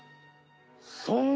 そんな！